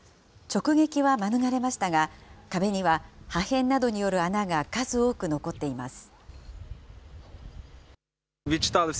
直撃は免れましたが、壁には破片などによる穴が数多く残っています。